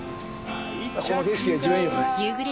この景色が一番いいよね。